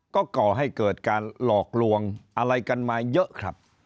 ก็ก่อให้เกิดการหลอกลวงอะไรกันมาเยอะครับ